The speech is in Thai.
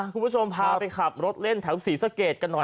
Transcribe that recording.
คุณผู้ชมพาไปขับรถเล่นแถวศรีสะเกดกันหน่อย